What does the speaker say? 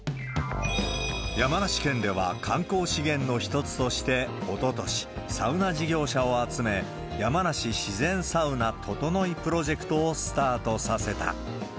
山梨県では観光資源の一つとして、おととし、サウナ事業者を集め、やまなし自然サウナととのいプロジェクトをスタートさせた。